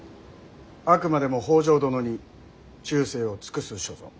あくまでも北条殿に忠誠を尽くす所存。